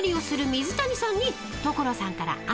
水谷さん。